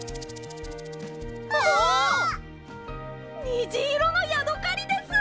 にじいろのヤドカリです！